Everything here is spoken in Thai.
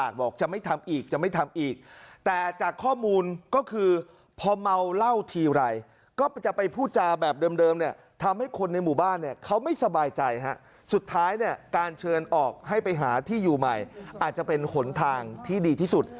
สุดท้ายเนี่ยการเชิญออกให้ไปหาที่อยู่ใหม่อาจจะเป็นหนทางที่ดีที่สุด